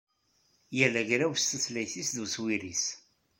Yal agraw s tutlayt-is d uswir-is.